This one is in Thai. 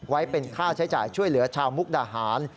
ไว้เป็นค่าใช้จ่ายช่วยเหลือชาวมุกดาหาร